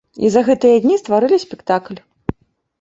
І за гэтыя дні стварылі спектакль.